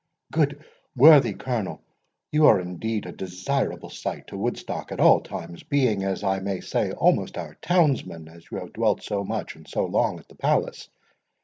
"Good, worthy Colonel, you are indeed a desirable sight to Woodstock at all times, being, as I may say, almost our townsman, as you have dwelt so much and so long at the palace.